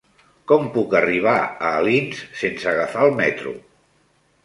Com puc arribar a Alins sense agafar el metro?